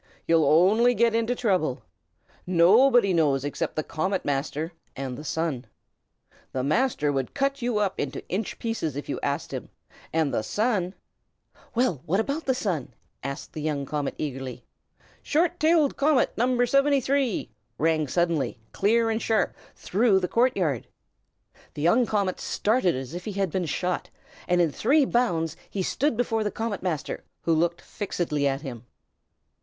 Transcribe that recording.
"You'll only get into trouble. Nobody knows except the Comet Master and the Sun. The Master would cut you up into inch pieces if you asked him, and the Sun " "Well, what about the Sun?" asked the young comet, eagerly. "Short tailed Comet No. 73!" rang suddenly, clear and sharp, through the court yard. The young comet started as if he had been shot, and in three bounds he stood before the Comet Master, who looked fixedly at him.